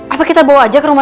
apa kita bawa aja ke rumah